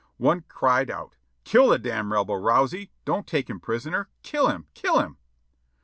One cried out, "Kill the damn Rebel, Rouzie; don't take him prisoner. Kill him, kill him!"